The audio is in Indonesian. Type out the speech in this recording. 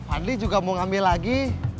fadli juga mau ngambil lagi